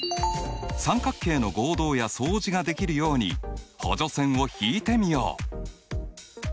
三角形の合同や相似ができるように補助線を引いてみよう。